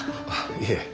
いえ。